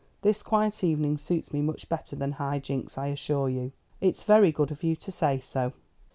This quiet evening suits me much better than high jinks, I assure you." "It's very good of you to say so."